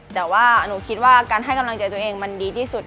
แต่ว่าหนูคิดว่าการให้กำลังใจตัวเองมันดีที่สุด